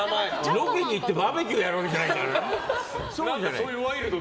ロケでバーベキューやるわけじゃないからね。